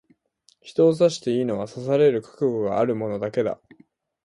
人を刺していいのは、刺される覚悟がある者だけだ。